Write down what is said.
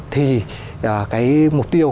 thì cái mục tiêu